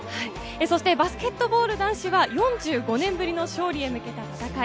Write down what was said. バスケットボール男子は４５年ぶりの勝利へ向けた戦い。